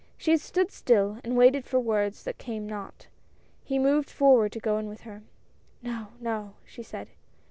She stood still, and waited for words that came not. He moved forward to go in with her. "No, no," she said.